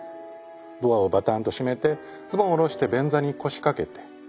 ドアをバタンと閉めてズボンを下ろして便座に腰掛けて。